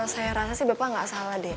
saya rasa sih bapak nggak salah deh